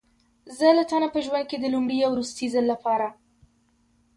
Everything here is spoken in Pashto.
زه له تا نه په ژوند کې د لومړي او وروستي ځل لپاره.